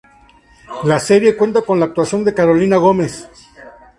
La serie cuenta con la actuación de Carolina Gómez.